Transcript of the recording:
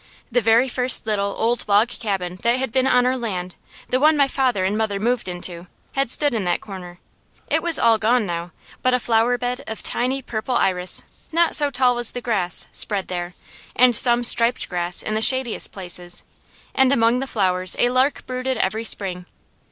The very first little, old log cabin that had been on our land, the one my father and mother moved into, had stood in that corner. It was all gone now; but a flowerbed of tiny, purple iris, not so tall as the grass, spread there, and some striped grass in the shadiest places, and among the flowers a lark brooded every spring.